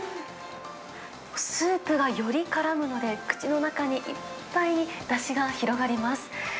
スープがより絡むので、口の中にいっぱいにだしが広がります。